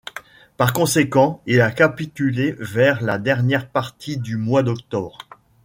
Par conséquent, il a capitulé vers la dernière partie du mois d'octobre.